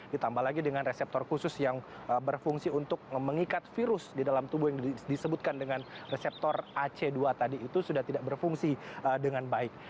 ditambah lagi dengan reseptor khusus yang berfungsi untuk mengikat virus di dalam tubuh yang disebutkan dengan reseptor ac dua tadi itu sudah tidak berfungsi dengan baik